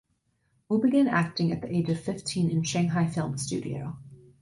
Wu began acting at the age of fifteen in Shanghai Film Studio.